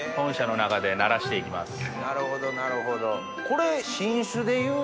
なるほどなるほど。